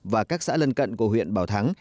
và các xã lân cận của huyện bảo thắng